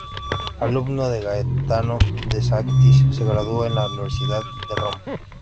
Alumno de Gaetano De Sanctis, se graduó en la Universidad de Roma.